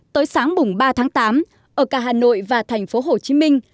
tới sáng mùng ba tháng tám ở cả hà nội và thành phố hồ chí minh